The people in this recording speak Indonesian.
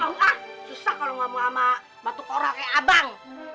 oh ah susah kalau ngomong sama batu korak kayak abang